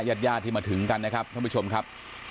ญาติญาติที่มาถึงกันนะครับท่านผู้ชมครับ